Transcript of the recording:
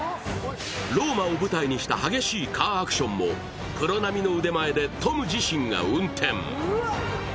ローマを舞台にした激しいカーアクションもプロ並みの腕前でトム自身が運転。